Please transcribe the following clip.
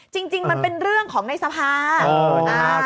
จริงมันเป็นเรื่องของในสภา